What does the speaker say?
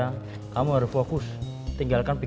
akang pergi gak lama